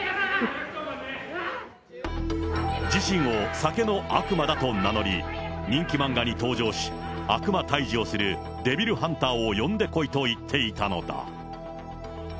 自身を酒の悪魔だと名乗り、人気漫画に登場し、悪魔退治をするデビルハンターを呼んでこいと言っていたのだ。